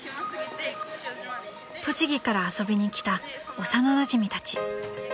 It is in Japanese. ［栃木から遊びに来た幼なじみたち］